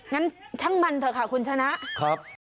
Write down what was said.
งั้นช่างมันเถอะค่ะคุณชนะ